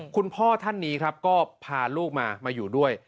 คุณพ่อท่านนี้ครับก็พาลูกมามาอยู่ด้วย